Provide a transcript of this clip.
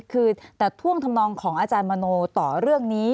คือแต่ท่วงทำนองของอาจารย์มโนต่อเรื่องนี้